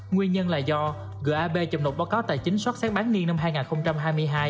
nguyên nhân là do gap chậm nộp báo cáo tài chính sát xét bán niêm năm hai nghìn hai mươi hai